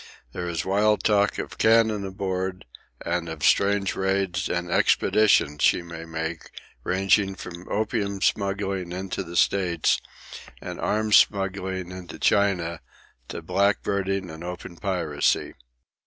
There is wild talk of cannon aboard, and of strange raids and expeditions she may make, ranging from opium smuggling into the States and arms smuggling into China, to blackbirding and open piracy.